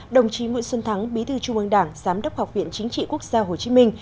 đồng chí nguyễn xuân thắng bí thư trung ương đảng giám đốc học viện chính trị quốc gia hồ chí minh